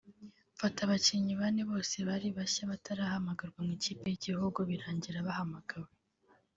mfata abakinnyi bane bose bari bashya batarahamagarwa mu ikipe y’igihugu birangira bahamagawe”